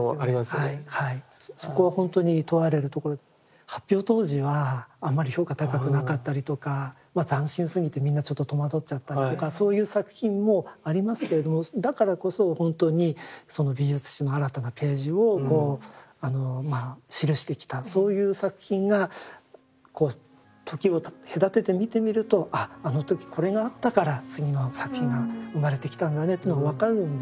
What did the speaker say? そこは本当に問われるところで発表当時はあんまり評価高くなかったりとかまあ斬新すぎてみんなちょっと戸惑っちゃったりとかそういう作品もありますけれどもだからこそ本当にその美術史の新たなページをまあ記してきたそういう作品が時を隔てて見てみるとああの時これがあったから次の作品が生まれてきたんだねというのが分かるんですね。